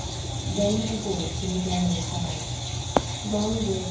] Then a voice from the gallery cried: "Long live Táncsis!"